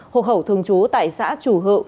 hộ khẩu thường trú tại xã chủ hự